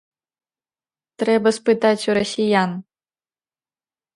Трэба спытаць у расіян.